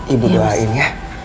ibu doain ya